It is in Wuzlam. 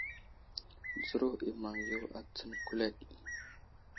Dzəro i maŋ yo a tsəŋ kuleɗ.